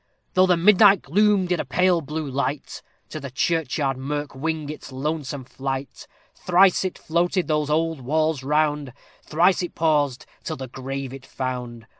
Through the midnight gloom did a pale blue light To the churchyard mirk wing its lonesome flight: Thrice it floated those old walls round Thrice it paused till the grave it found.